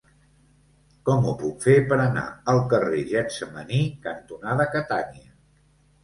Com ho puc fer per anar al carrer Getsemaní cantonada Catània?